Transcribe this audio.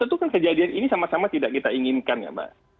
tentu kan kejadian ini sama sama tidak kita inginkan ya mbak